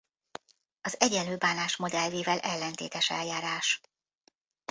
Az egyenlő bánásmód elvével ellentétes eljárás.